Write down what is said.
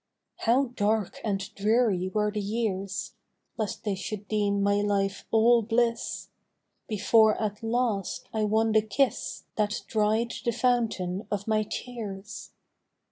How dark and dreary were the years (Lest they should deem my life all bliss), Before at last I won the kiss That dried the fountain of my tears.